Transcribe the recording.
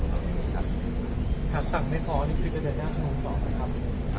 ถ้าสั่งไม่พ้อนี่คือจะเดินหน้าคงหรอครับ